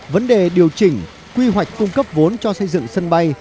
vấn đề điều chỉnh quy hoạch cung cấp vốn cho xây dựng sân bay